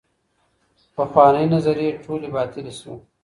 پخوانۍ نظریې ټولې باطلې سوې.